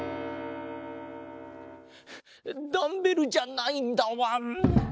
ダンベルじゃないんだわん。